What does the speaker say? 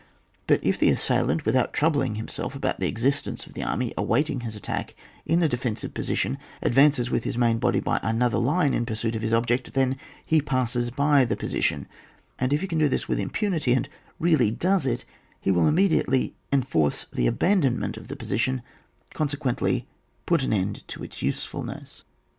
But if the assailant, without troubling himself about the existence of the army awaiting his attack in a defensive posi tion, advances with his main body by another line in pursuit of his object, then he passes by tJte position ; and if he can do this with impunity, and really does it, he wOl immediately enforce the aban donment of the position, consequently put an end to its usefulness.